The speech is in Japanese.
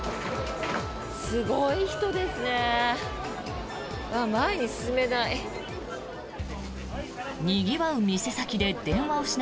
すごい人ですね。